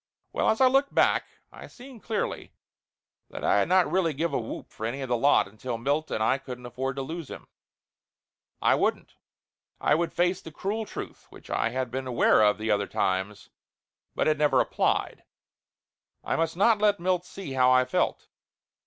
Well, as I looked back I seen clearly that I had not really give a whoop for any of the lot until Milt, and I couldn't afford to lose him. I wouldn't. I would face the cruel truth which I had been aware of the other times but had never applied. I must not let Milt see how I felt.